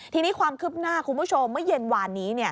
ทีนี้ความคืบหน้าคุณผู้ชมเมื่อเย็นวานนี้